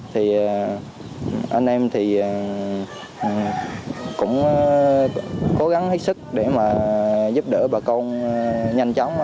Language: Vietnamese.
thì anh em thì cũng cố gắng hết sức để mà giúp đỡ bà con nhanh chóng